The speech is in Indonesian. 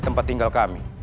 tempat tinggal kami